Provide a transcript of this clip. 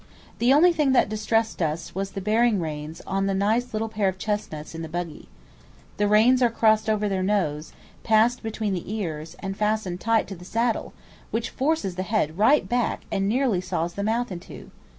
The only thing that distressed us was the bearing reins on the nice little pair of chesnuts in the buggy. The reins are crossed over their nose, passed between the ears, and fastened tight to the saddle, which forces the head right back and nearly saws the mouth in two.